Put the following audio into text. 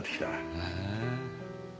へえ。